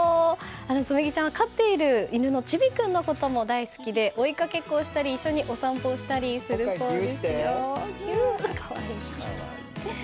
紬ちゃんは飼っている犬のチビちゃんのことも大好きで追いかけっこをしたり一緒にお散歩をしたりするそうですよ。